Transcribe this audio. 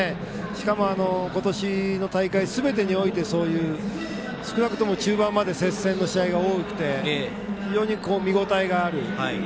しかも今年の大会すべてにおいてそういう、少なくとも中盤まで接戦の試合が多くて非常に見応えがある。